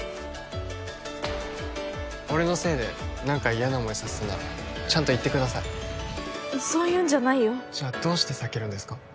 俺のせいで何か嫌な思いさせたならちゃんと言ってくださいそういうんじゃないよじゃあどうして避けるんですか？